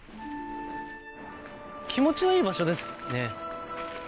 気持ちのいい場所ですね。